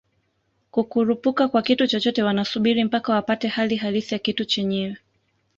kukurupuka kwa kitu chochote wanasubiri mpaka wapate hali halisi ya kitu chenyewe